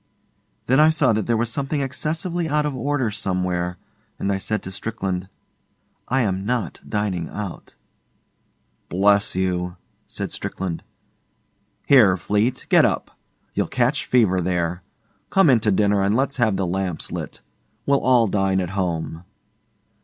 Then I saw that there was something excessively out of order somewhere, and I said to Strickland, 'I am not dining out.' 'Bless you!' said Strickland. 'Here, Fleete, get up. You'll catch fever there. Come in to dinner and let's have the lamps lit. We 'll all dine at home.